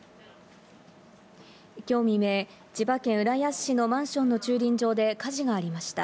今日未明、千葉県浦安市のマンションの駐輪場で火事がありました。